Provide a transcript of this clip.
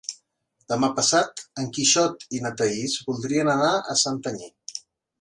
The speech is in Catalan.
Demà passat en Quixot i na Thaís voldrien anar a Santanyí.